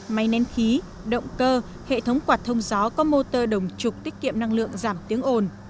máy nén khí động cơ hệ thống quạt thông gió có motor đồng trục tiết kiệm năng lượng giảm tiếng ồn